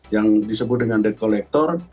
yang disebut dengan debt collector